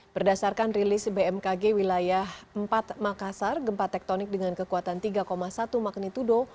berdasarkan rilis bmkg wilayah empat makassar gempa tektonik dengan kekuatan tiga satu magnitudo